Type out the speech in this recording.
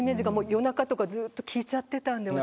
夜中とかずっと聞いちゃってたので。